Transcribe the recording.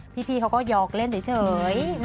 พี่เขาก็หยอกเล่นเฉย